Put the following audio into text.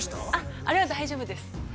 ◆あれは大丈夫です。